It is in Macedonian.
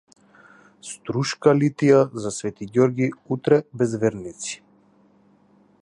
Струшката литија за свети Ѓорги утре без верници